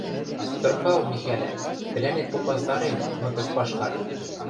Тырхал, Михӓлӓ, тӹлӓнет попазтарем, мытык пашкар!